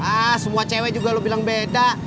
ah semua cewek juga lo bilang beda